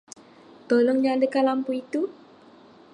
Tolong nyalakan lampu itu.